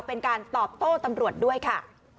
เป็นการตอบโต้ตำรวจด้วยค่ะ